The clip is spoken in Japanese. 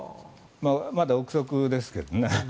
まだ臆測ですけどね。